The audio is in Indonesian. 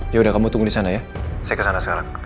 yaudah kamu tunggu disana ya saya kesana sekarang